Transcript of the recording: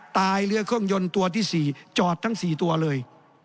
เรือเครื่องยนต์ตัวที่๔จอดทั้ง๔ตัวเลย